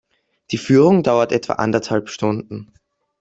Die Führung dauert etwa anderthalb Stunden.